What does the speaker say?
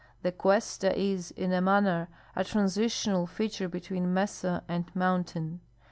The cuesta is, in a manner, a transitional fea ture between mesa and mountain.